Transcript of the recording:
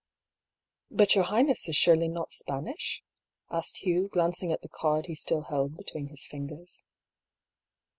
" But your highness is surely not Spanish ?" asked Hugh, glancing at the card he still held between his fingers.